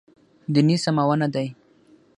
دیني سمونه دی.